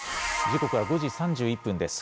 時刻は５時３１分です。